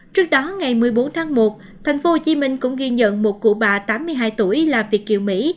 trước đó ngày một mươi bốn tháng một tp hcm cũng ghi nhận một cụ bà tám mươi hai tuổi là việt kiều mỹ